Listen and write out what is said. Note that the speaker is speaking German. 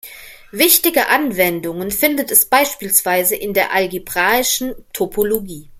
Wichtige Anwendungen findet es beispielsweise in der algebraischen Topologie.